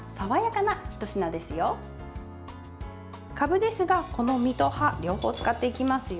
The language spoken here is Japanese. かぶですが、この実と葉両方使っていきますよ。